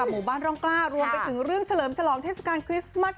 หมู่บ้านร่องกล้ารวมไปถึงเรื่องเฉลิมฉลองเทศกาลคริสต์มัส